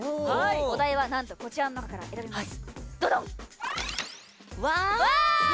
お題はなんとこちらの中から選びます。